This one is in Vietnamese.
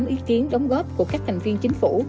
một mươi tám ý kiến đóng góp của các thành viên chính phủ